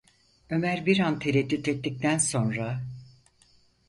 Ömer bir an tereddüt ettikten sonra: